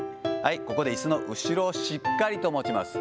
ここでいすの後ろをしっかりと持ちます。